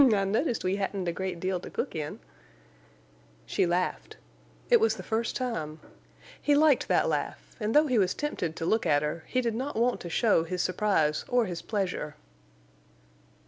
"I noticed we hadn't a great deal to cook in." She laughed. It was the first time. He liked that laugh, and though he was tempted to look at her, he did not want to show his surprise or his pleasure.